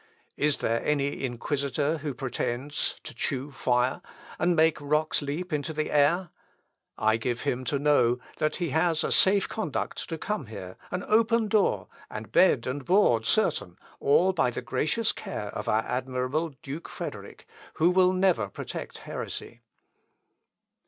Is there any inquisitor who pretends to chew fire, and make rocks leap into the air? I give him to know, that he has a safe conduct to come here, an open door, and bed and board certain, all by the gracious care of our admirable Duke Frederick, who will never protect heresy."